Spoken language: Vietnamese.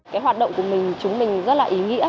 cái hoạt động của mình chúng mình rất là ý nghĩa